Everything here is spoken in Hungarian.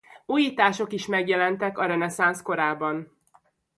Újítások is megjelentek a reneszánsz korában.